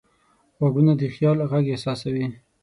غوږونه د خیال غږ احساسوي